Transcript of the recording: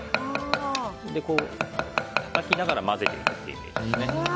たたきながら混ぜていくイメージですね。